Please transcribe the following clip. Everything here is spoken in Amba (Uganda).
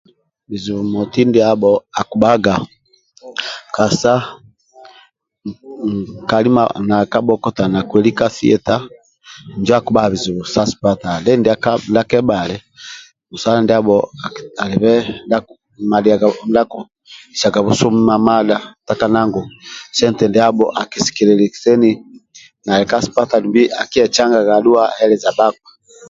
Kizibu moti ndiabho akibhaga kasita nkali nali ka bhokota nakweli ka sieta injo akibhaga bizibu sa sipatala ndia kebhali musalo ndiabo alibe ndia akisaga busumi mamadha otakana ngu sente ndiabho akesekeleluwa kiseni nali ka sipatala alike ndia akiecangaga adhuwa heleza bhakpa